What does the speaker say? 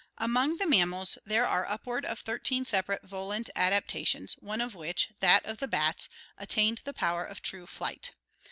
— Among the mam mals there are upward of thirteen separate volant adaptations, one of which, that of the bats, attained the power of true flight.